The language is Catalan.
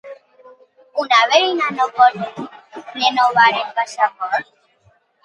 Una veïna no pot renovar el passaport.